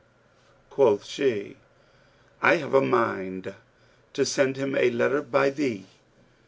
Quoth she, 'I have a mind to send him a letter by thee.